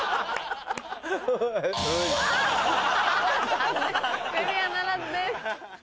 残念クリアならずです。